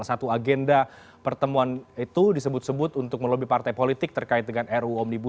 simbol partai golkar